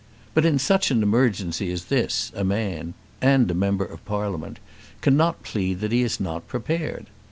But in such an emergency as this, a man, and a member of Parliament, cannot plead that he is not prepared.